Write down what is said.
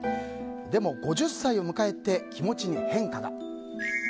でも５０歳を迎えて気持ちに変化が。